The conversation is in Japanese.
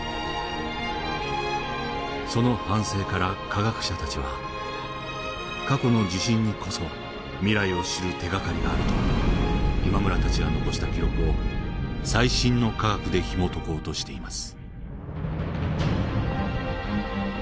その反省から科学者たちは「過去の地震にこそ未来を知る手がかりがある」と今村たちが残した記録を最新の科学でひもとこうとしています。